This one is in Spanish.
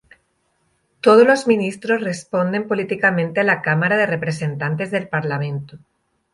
Todos los ministros responden políticamente a la Cámara de Representantes del Parlamento.